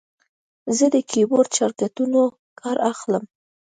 زه له کیبورډ شارټکټونو کار اخلم.